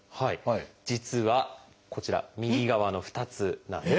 実はこちら右側の２つなんです。